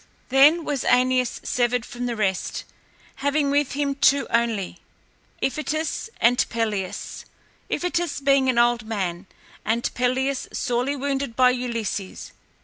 Then was Æneas severed from the rest, having with him two only, Iphitus and Pelias, Iphitus being an old man and Pelias sorely wounded by Ulysses.